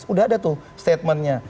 sudah ada tuh statementnya